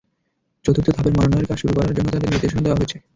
চতুর্থ ধাপের মনোনয়নের কাজ শুরু করার জন্য তাঁদের নির্দেশনা দেওয়া হয়েছে।